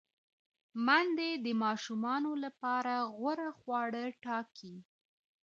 میندې د ماشومانو لپاره غوره خواړه ټاکي۔